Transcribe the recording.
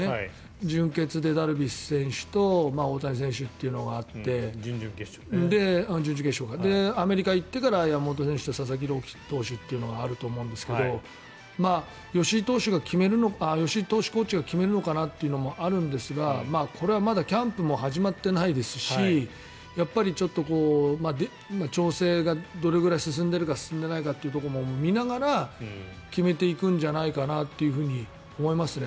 準々決勝でダルビッシュ選手と大谷選手というのがあってアメリカに行ってから山本選手と佐々木朗希投手というのがあると思うんですけど吉井投手コーチが決めるのかなっていうのもあるんですがこれはまだキャンプも始まっていないですしやっぱり調整がどれくらい進んでるか進んでないかってところも見ながら決めていくんじゃないかなと思いますね。